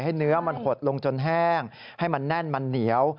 เนื้อมันหดลงจนแห้งให้มันแน่นมันเหนียว